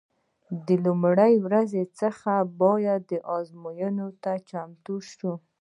د لومړۍ ورځې څخه باید ازموینې ته چمتو شو.